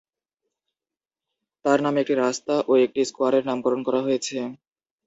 তাঁর নামে একটি রাস্তা ও একটি স্কোয়ারের নামকরণ করা হয়েছে।